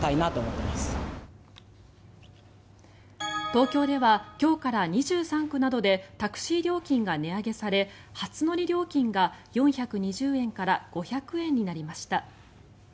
東京では今日から２３区などでタクシー料金が値上げされ初乗り料金が４２０円から５００円になりました。